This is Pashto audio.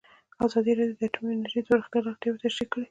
ازادي راډیو د اټومي انرژي د پراختیا اړتیاوې تشریح کړي.